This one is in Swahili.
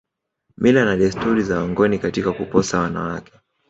Mila na desturi za wangoni katika kuposa wanawake